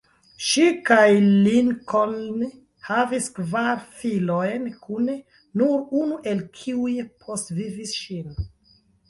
Ŝi kaj Lincoln havis kvar filojn kune, nur unu el kiuj postvivis ŝin.